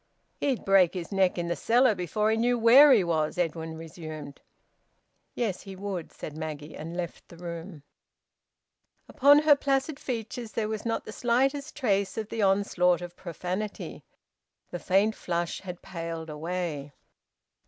"He'd break his neck in the cellar before he knew where he was," Edwin resumed. "Yes, he would," said Maggie, and left the room. Upon her placid features there was not the slightest trace of the onslaught of profanity. The faint flush had paled away.